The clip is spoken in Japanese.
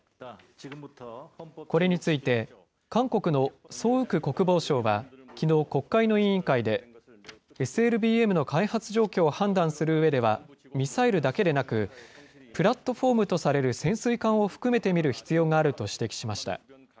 これについて韓国のソ・ウク国防相は、きのう、国会の委員会で、ＳＬＢＭの開発状況を判断するうえでは、ミサイルだけでなく、プラットフォームとされる潜水艦を含めて見る必要があると指摘しました。